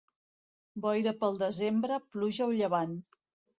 Boira pel desembre, pluja o llevant.